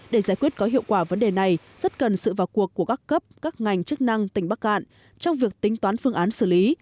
để giải quyết có hiệu quả vấn đề này rất cần sự vào cuộc của các cấp các ngành chức năng tỉnh bắc cạn trong việc tính toán phương án xử lý